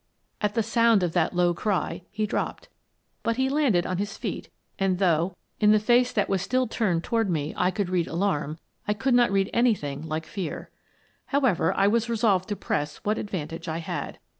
At the sound of that low cry, he dropped. But he landed on his feet, and though, in the face Mr. Fredericks Returns 79 that was still turned toward me, I could read alarm, I could not read anything like fear. However, I was resolved to press what advan tage I had.